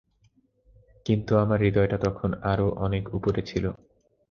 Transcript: কিন্তু, আমার হৃদয়টা তখন আরো অনেক উপরে ছিল।